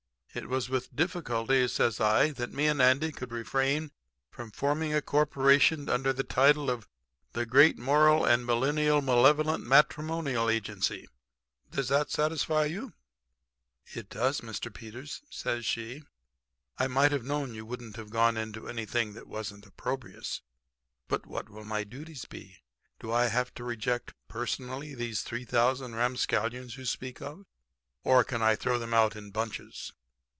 It was with difficulty,' says I, 'that me and Andy could refrain from forming a corporation under the title of the Great Moral and Millennial Malevolent Matrimonial Agency. Does that satisfy you?' "'It does, Mr. Peters,' says she. 'I might have known you wouldn't have gone into anything that wasn't opprobrious. But what will my duties be? Do I have to reject personally these 3,000 ramscallions you speak of, or can I throw them out in bunches?'